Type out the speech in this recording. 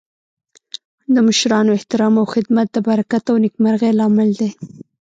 د مشرانو احترام او خدمت د برکت او نیکمرغۍ لامل دی.